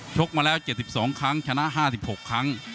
กมาแล้ว๗๒ครั้งชนะ๕๖ครั้ง